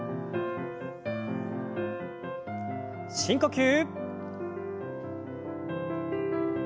深呼吸。